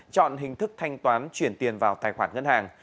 chọn hình thức thanh toán chuyển tiền vào tài khoản ngân hàng